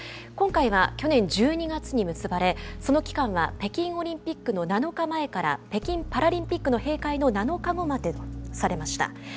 今回は去年１２月に結ばれその期間は北京オリンピックの７日前から北京パラリンピックの閉会の７日後までとされました。